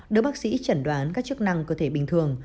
đứa bác sĩ chẩn đoán các chức năng cơ thể bình thường